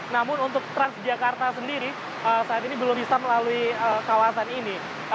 namun untuk transjakarta sendiri saat ini belum bisa melalui kawasan ini